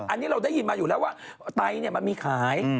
อันนี้เราได้ยินมาอยู่แล้วว่าไตมันมีขาย